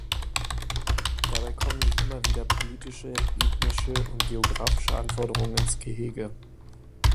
Dabei kommen sich immer wieder politische, ethnische und geographische Anforderungen ins Gehege.